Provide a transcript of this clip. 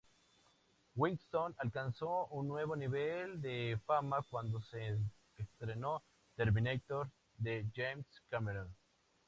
Winston alcanzó un nuevo nivel de fama cuando se estrenó "Terminator" de James Cameron.